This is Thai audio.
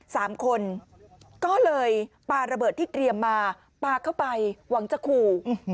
สามคนก็เลยปาระเบิดที่เตรียมมาปลาเข้าไปหวังจะขู่